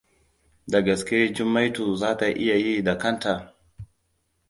Da gaske Jummaitu zata iya yi da kanta?